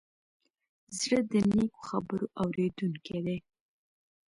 زړه د نیکو خبرو اورېدونکی دی.